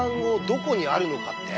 どこにあるのかって？